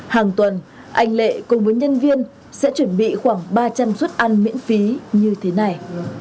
hàng tuần anh lệ cùng với nhân viên sẽ chuẩn bị khoảng ba trăm linh suất ăn miễn phí như thế này